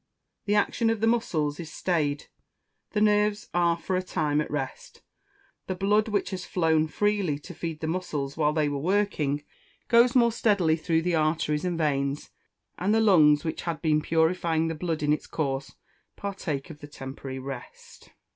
The action of the muscles is stayed; the nerves are for a time at rest. The blood which had flown freely to feed the muscles while they were working, goes more steadily through the arteries and veins, and the lungs, which had been purifying the blood in its course, partake of the temporary rest.